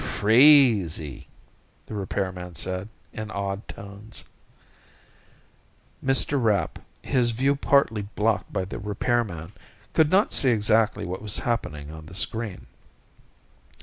"Crazy!" the repairman said, in awed tones. Mr. Rapp, his view partly blocked by the repairman, could not see exactly what was happening on the screen.